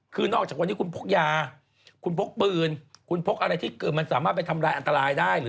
คือนอกจากวันนี้คุณพกยาคุณพกปืนคุณพกอะไรที่มันสามารถไปทำลายอันตรายได้หรือ